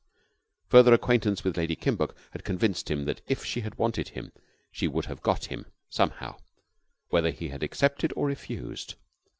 Further acquaintance with Lady Kimbuck had convinced him that if she had wanted him, she would have got him somehow, whether he had accepted or refused.